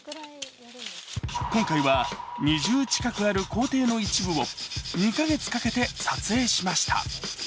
今回は２０近くある工程の一部を２か月かけて撮影しました。